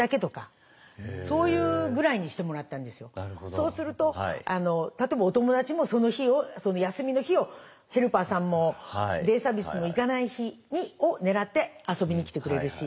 そうすると例えばお友達もその日をその休みの日をヘルパーさんもデイサービスにも行かない日を狙って遊びに来てくれるし。